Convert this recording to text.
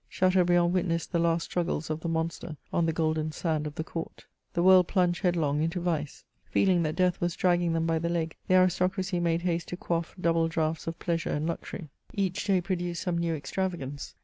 Chateaubriand witnessed the last struggles of the monster on the golden sand of the Court. The world plunged headlong into vice. Feeling that death was dragging them by the leg, the aristocracy made haste to quaff double draughts of pleasure and luxury. Each day produced some new extravagance.